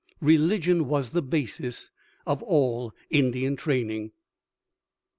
Religion was the basis of all Indian training.